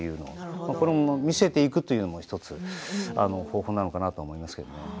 これを見せていくというのも１つ方法なのかなと思いますけど。